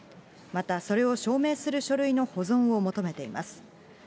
またそれを証明する書類の保存を求めています。